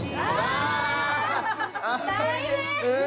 大変！